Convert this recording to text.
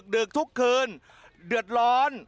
ดึกทุกคืนเดือดร้อน